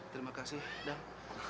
terima kasih dang